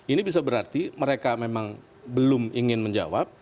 ini bisa berarti mereka memang belum ingin menjawab